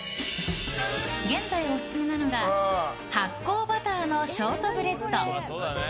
現在オススメなのが発酵バターのショートブレッド。